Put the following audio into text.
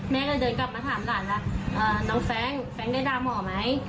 แม่ก็เดินกลับมาถามหลานล่ะน้องแฟงแฟงได้ด่าหมอไหม